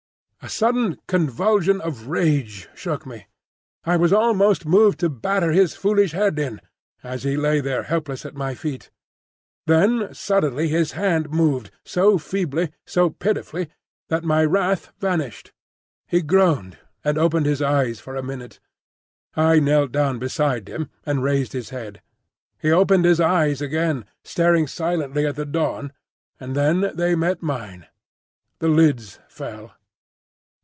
A sudden convulsion of rage shook me. I was almost moved to batter his foolish head in, as he lay there helpless at my feet. Then suddenly his hand moved, so feebly, so pitifully, that my wrath vanished. He groaned, and opened his eyes for a minute. I knelt down beside him and raised his head. He opened his eyes again, staring silently at the dawn, and then they met mine. The lids fell.